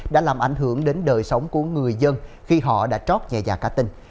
đã làm ảnh hưởng đến đời sống của người dân khi họ đã trót nhà già cá tình